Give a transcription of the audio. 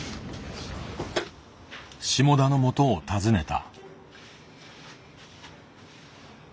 下田のもとを訪ねた。